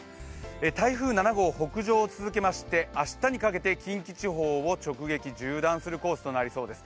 台風７号は北上を続けまして、明日にかけて近畿地方を直撃・縦断するコースとなりそうです。